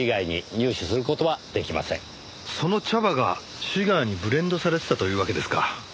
その茶葉がシガーにブレンドされてたというわけですか。